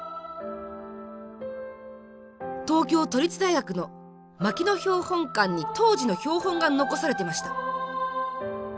東京都立大学の牧野標本館に当時の標本が残されてました。